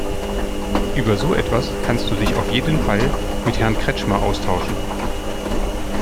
Über so etwas kannst du dich auf jeden Fall mit Herrn Kretschmer austauschen.